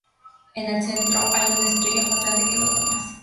En el centro hay una estrella más grande que los demás.